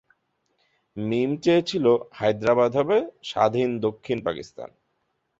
মিম চেয়েছিল, হায়দরাবাদ হবে স্বাধীন ‘দক্ষিণ পাকিস্তান’।